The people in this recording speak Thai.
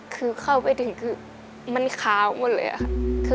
คือเข้าไปถึงคือมันขาวหมดเลยอะค่ะ